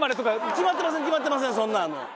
決まってません決まってませんそんな。